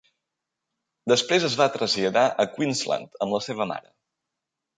Després es va traslladar a Queensland amb la seva mare.